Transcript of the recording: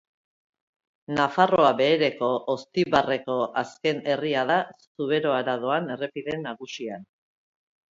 Nafarroa Behereko Oztibarreko azken herria da Zuberoara doan errepide nagusian.